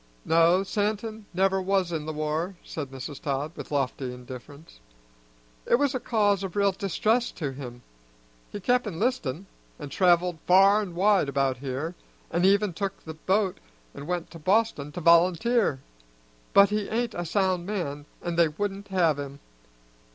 "No, Santin never was in the war," said Mrs. Todd with lofty indifference. "It was a cause of real distress to him. He kep' enlistin', and traveled far an' wide about here, an' even took the bo't and went to Boston to volunteer; but he ain't a sound man, an' they wouldn't have him.